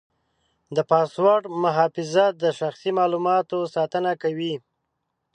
د پاسورډ محافظت د شخصي معلوماتو ساتنه کوي.